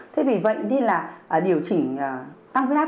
thế vì vậy nên là điều trị tăng huyết áp